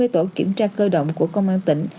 hai mươi tổ kiểm tra cơ động của công an tỉnh